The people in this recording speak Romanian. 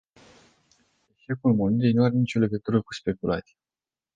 Eșecul monedei nu are nicio legătură cu speculația.